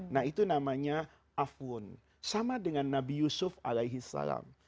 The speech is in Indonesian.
nah itu namanya afun sama dengan nabi yusuf alaihis salam